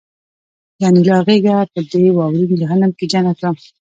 د انیلا غېږه په دې واورین جهنم کې جنت وه